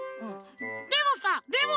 でもさでもさ！